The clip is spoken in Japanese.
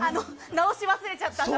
直し忘れちゃったんです。